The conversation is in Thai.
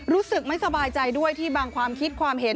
รู้สึกไม่สบายใจด้วยที่บางความคิดความเห็น